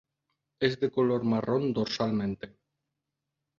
Es de color marrón dorsalmente.